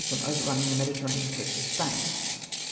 399 from overrunning the Mediterranean coast of Spain.